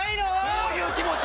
どういう気持ち！？